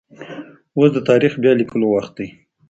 اوس د تاريخ بيا ليکلو وخت دی.